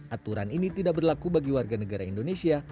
aturan ini tidak berlaku bagi warga negara indonesia